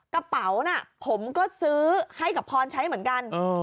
กระเป๋าน่ะผมก็ซื้อให้กับพรใช้เหมือนกัน